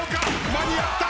間に合った！